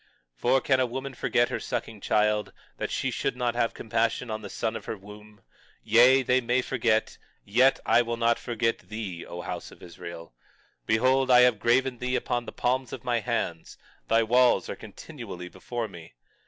21:15 For can a woman forget her sucking child, that she should not have compassion on the son of her womb? Yea, they may forget, yet will I not forget thee, O house of Israel. 21:16 Behold, I have graven thee upon the palms of my hands; thy walls are continually before me.